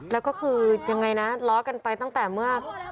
แล้วก็คือยังไงนะล้อกันไปตั้งแต่เมื่อ